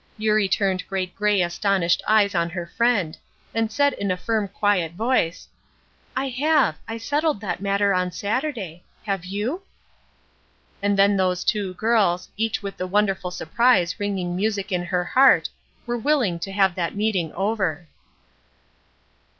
Eurie turned great gray astonished eyes on her friend, and said in a firm quiet voice: "I have. I settled that matter on Saturday. Have you?" And then those two girls, each with the wonderful surprise ringing music in her heart, were willing to have that meeting over.